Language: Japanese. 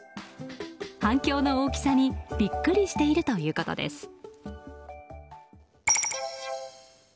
反響の大きさにビックリしているということです。